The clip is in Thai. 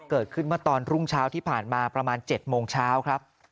เกิดขึ้นเมื่อตอนรุ่งเช้าที่ผ่านมาประมาณ๗โมงเช้าครับ